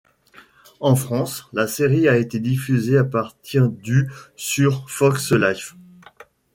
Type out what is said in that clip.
En France, la série a été diffusée à partir du sur Fox Life.